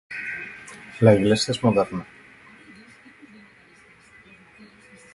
La iglesia es moderna.